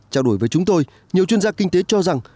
trao đổi với chúng tôi nhiều chuyên gia kinh tế cho rằng